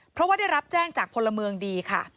เพราะว่าได้รับแจ้งจากพลเมืองดีค่ะ